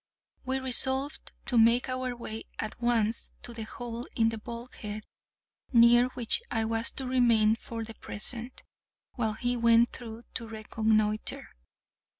We resolved to make our way at once to the hole in the bulkhead, near which I was to remain for the present, while he went through to reconnoiter.